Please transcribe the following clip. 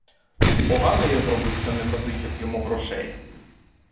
Погано я зробив, що не позичив йому грошей.